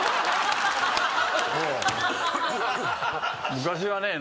昔はね